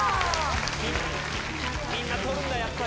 みんな、取るんだ、やっぱ。